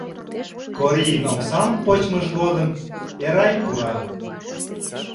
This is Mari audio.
Корийын омсам почмыж годым Эрай пура.